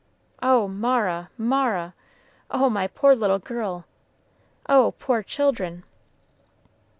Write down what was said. "Oh, Mara, Mara! Oh, my poor little girl! Oh, poor children!"